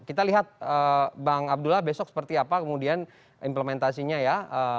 kita lihat bang abdullah besok seperti apa kemudian implementasinya ya